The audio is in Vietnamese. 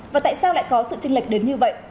và tại sao lại có sự tranh lệch đến như vậy